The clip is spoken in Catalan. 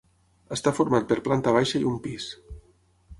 Està format per planta baixa i un pis.